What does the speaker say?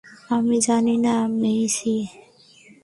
আমি জানি না, মেইসি।